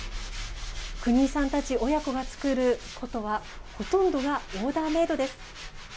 国井さんたち親子が作る箏はほとんどがオーダーメードです。